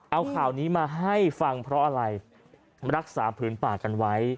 เอาข่าวนี้มาให้ฟังเพราะอะไรรักษาผืนป่ากันไว้